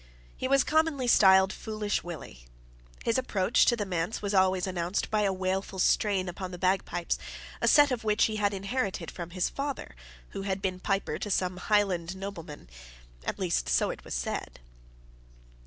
He was commonly styled Foolish Willie. His approach to the manse was always announced by a wailful strain upon the bagpipes, a set of which he had inherited from his father, who had been piper to some Highland nobleman: at least so it was said.